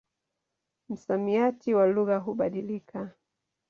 Msamiati wa lugha hubadilika.